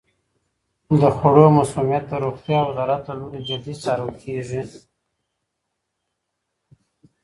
د خوړو مسمومیت د روغتیا د وزارت له لوري جدي څارل کیږي.